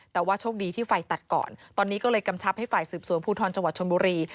แต่ว่าโชคดีที่ไฟตัดก่อนตอนนี้ก็เลยกำชับให้ฝ่ายสืบสวนภูทรจังหวัดชนบุรี